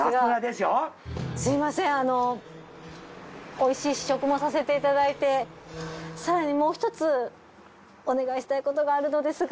美味しい試食もさせていただいて更にもうひとつお願いしたいことがあるのですが。